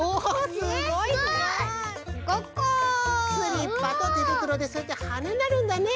スリッパとてぶくろでそうやってはねになるんだね。